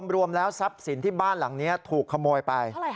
รวมแล้วทรัพย์สินที่บ้านหลังนี้ถูกขโมยไป